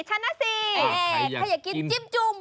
ใครอยากกินจิ้มจุ่ม